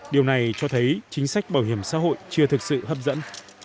điều này cho thấy chính sách bảo hiểm xã hội chưa thực sự hấp dẫn